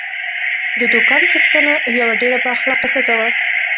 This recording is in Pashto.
د دوکان څښتنه یوه ډېره با اخلاقه ښځه وه.